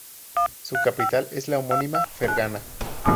Su capital es la homónima Ferganá.